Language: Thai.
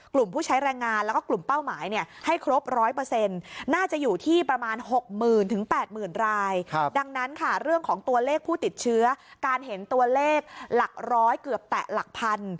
การเห็นตัวเลขหลักร้อยเกือบแตะหลักพัน